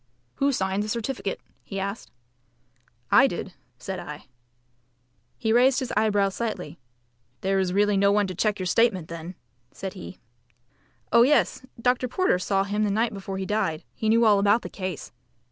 "Who signed the certificate?" he asked. "I did," said I. He raised his eyebrows slightly. "There is really no one to check your statement then?" said he. "Oh yes, Dr. Porter saw him the night before he died. He knew all about the case."